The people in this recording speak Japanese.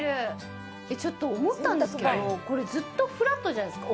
思ったんですけれども、ずっとフラットじゃないですか。